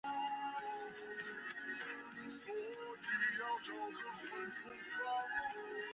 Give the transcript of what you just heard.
印度裔汶莱人是在文莱的外籍专业人士从印度到文莱。